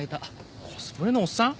コスプレのおっさん？